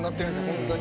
ホントに。